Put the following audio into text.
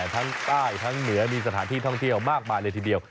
ทั้งใต้ทั้งเหนือมีสถานที่ท่องเที่ยวมากมายเลยทีเดียว